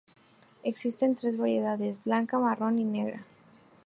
Existen tres variedades: blanca, marrón y negra.